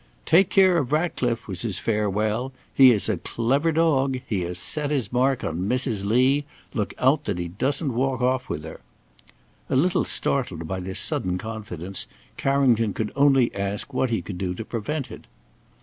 "Take care of Ratcliffe!" was his farewell; "he is a clever dog. He has set his mark on Mrs. Lee. Look out that he doesn't walk off with her!" A little startled by this sudden confidence, Carrington could only ask what he could do to prevent it.